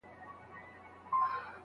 د چنار د وني سیوري ته تکیه سو